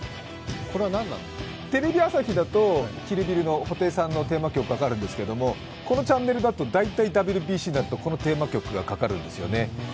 テレビ朝日だと「キル・ビル」の布袋さんの曲がかかるんですがこのチャンネルだと大体ＷＢＣになるとこのテーマ曲がかかるんですよね。